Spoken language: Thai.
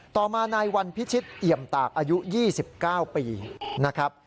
ต่อมานายวันพิชิตเอี่ยมตากอายุ๒๙ปีนะครับ